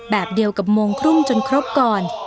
แบบเดียวกับโมงครึ่งจนครบก่อน